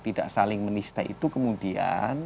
tidak saling menista itu kemudian